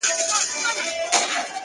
شعرونه دي هر وخت د ملاقات راته وايي!!